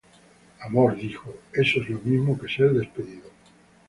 Amor dijo: "eso es lo mismo que ser despedido".